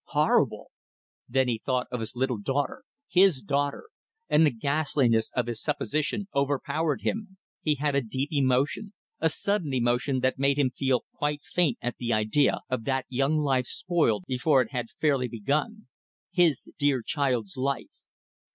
Horrible! Then he thought of his little daughter his daughter! and the ghastliness of his supposition overpowered him. He had a deep emotion, a sudden emotion that made him feel quite faint at the idea of that young life spoiled before it had fairly begun. His dear child's life!